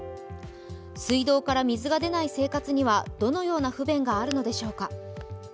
水道から水が出ない生活にはどのような不便があるのでしょうか。